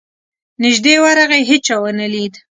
نیژدې ورغی هېچا ونه لید.